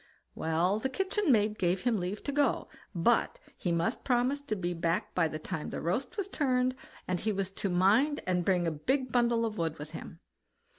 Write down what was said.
Well! the kitchen maid gave him leave to go, but he must promise to be back by the time the roast was turned, and he was to mind and bring a big bundle of wood with him.